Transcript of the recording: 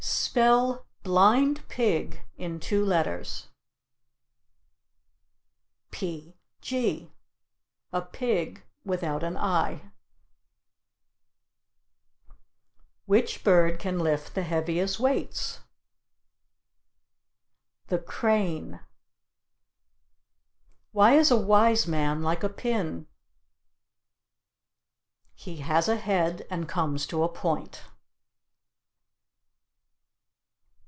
Spell "blind pig" in two letters? P G; a pig without an I. Which bird can lift the heaviest weights? The crane. Why is a wise man like a pin? He has a head and comes to a point.